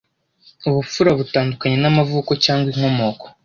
Ubupfura butandukanye n’amavuko cyangwa inkomoko